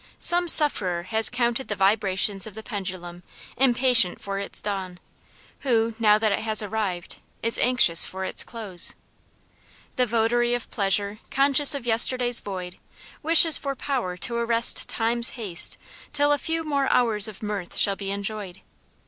Some sufferer has counted the vibrations of the pendulum impatient for its dawn, who, now that it has arrived, is anxious for its close. The votary of pleasure, conscious of yesterday's void, wishes for power to arrest time's haste till a few more hours of mirth shall be enjoyed.